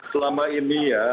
selama ini ya